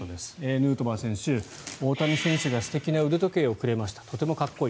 ヌートバー選手、大谷選手が素敵な腕時計をくれましたとてもかっこいい。